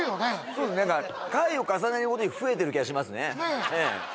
そうですね何か回を重ねるごとに増えてる気がしますねええ